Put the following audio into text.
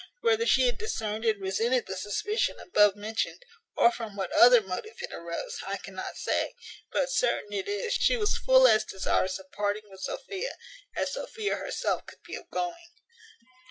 Whether she had discerned and resented the suspicion above mentioned, or from what other motive it arose, I cannot say; but certain it is, she was full as desirous of parting with Sophia as Sophia herself could be of going.